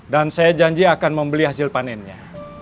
dan saya janji akan membeli hasil panennya